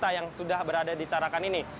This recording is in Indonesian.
kota yang sudah berada di tarakan ini